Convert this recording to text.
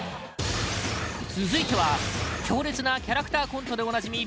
続いては強烈なキャラクターコントでおなじみ